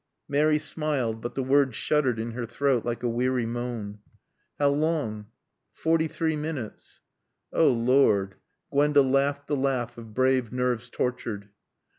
Mary smiled, but the word shuddered in her throat like a weary moan. "How long?" "Forty three minutes." "Oh, Lord " Gwenda laughed the laugh of brave nerves tortured.